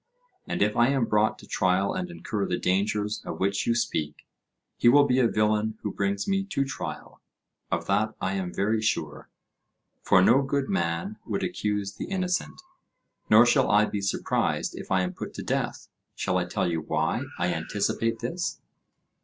And if I am brought to trial and incur the dangers of which you speak, he will be a villain who brings me to trial—of that I am very sure, for no good man would accuse the innocent. Nor shall I be surprised if I am put to death. Shall I tell you why I anticipate this?